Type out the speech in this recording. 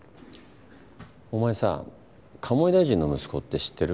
お前さ鴨井大臣の息子って知ってる？